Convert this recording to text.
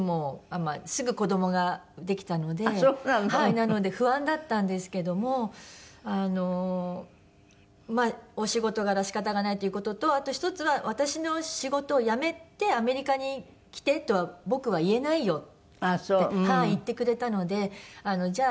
なので不安だったんですけどもあのまあお仕事柄仕方がないという事とあと１つは私の「仕事を辞めてアメリカに来てとは僕は言えないよ」って言ってくれたのでじゃあ